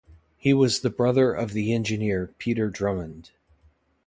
He was the brother of the engineer Peter Drummond.